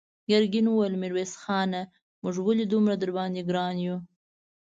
ګرګين وويل: ميرويس خانه! موږ ولې دومره درباندې ګران يو؟